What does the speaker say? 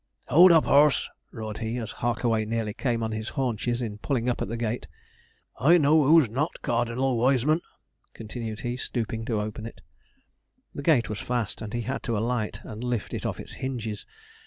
Hold up, horse!' roared he, as Harkaway nearly came on his haunches in pulling up at the gate. 'I know who's not Cardinal Wiseman,' continued he, stooping to open it. The gate was fast, and he had to alight and lift it off its hinges.